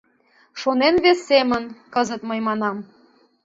Шонен вес семын, кызыт мый манам: